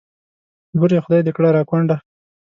بورې خدای دې کړه را کونډه.